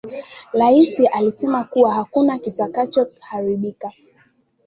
Rais alisema kuwa hakuna kitakacho haribika